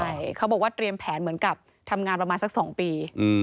ใช่เขาบอกว่าเตรียมแผนเหมือนกับทำงานประมาณสัก๒ปี